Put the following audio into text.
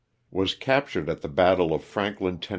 Was captured at the bat tle of Franklin, Tenn.